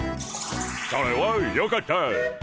それはよかった。